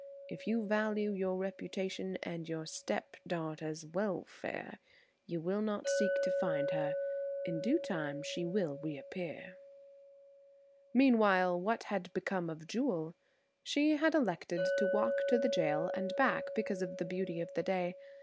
If you value your reputation and your step daughter's welfare, you will not seek to find her. In due time she will reappear." Meanwhile what had become of Jewel? She had elected to walk to the jail and back because of the beauty of the day.